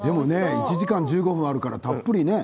１時間１５分あるからたっぷりね